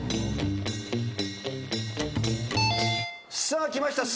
さあきました。